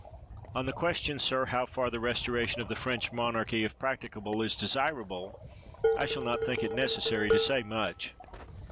On the question, sir, how far the restoration of the French monarchy, if practicable, is de sirable, I shall not think it necessary to say much.